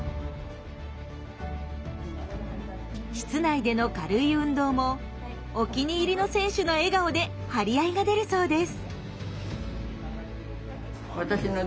室内での軽い運動もお気に入りの選手の笑顔で張り合いが出るそうです。